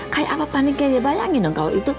kayak apa paniknya dia bayangin dong